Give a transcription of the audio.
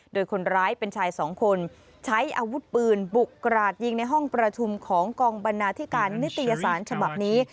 โดยคนร้ายเป็นชายสองคนใช้อาวุธปืนบุกกราดยิงในห้องประชุมของกองบรรณาธิการนิตยสารฉบับนี้